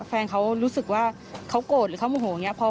แฟนเขารู้สึกว่าเขาโกรธหรือว่าเกือบโกรดอย่างโง่อย่างนี้